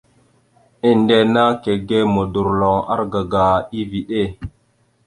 Endena kige modorloŋ argaga eveɗe.